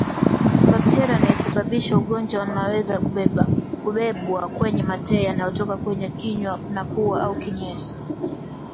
Bakteria anayesababisha ugonjwa anaweza kubebwa kwenye mate yanayotoka kwenye kinywa na pua au kinyesi